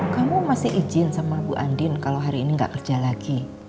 kamu masih izin sama bu andin kalau hari ini nggak kerja lagi